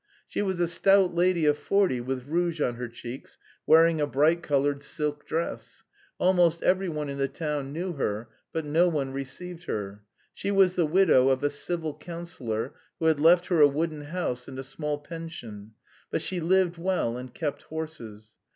She was a stout lady of forty with rouge on her cheeks, wearing a bright coloured silk dress. Almost every one in the town knew her, but no one received her. She was the widow of a civil councillor, who had left her a wooden house and a small pension; but she lived well and kept horses.